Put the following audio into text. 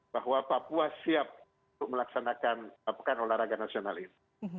bahwa papua siap untuk melaksanakan pekan olahraga nasional ini